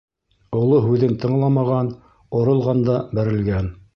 Оло һүҙен тыңламаған оролған да бәрелгән.